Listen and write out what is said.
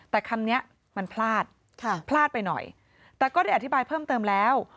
แต่คำนี้มันพลาดพลาดไปหน่อยแต่ก็ได้อธิบายเพิ่มเติมแล้ว